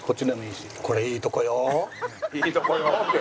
「いいとこよ」って。